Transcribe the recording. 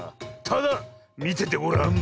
ただみててごらん。